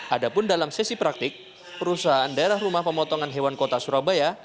adapun dalam sesi praktik perusahaan daerah rumah pemotongan hewan kota surabaya